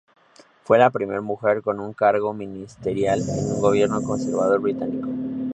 Fue la primera mujer con un cargo ministerial en un gobierno conservador británico.